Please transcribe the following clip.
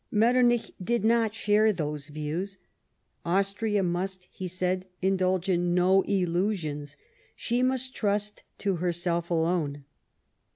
Metternich did not share those views. Austria must, he said, indulge in no illusions; she must trust to herself alone.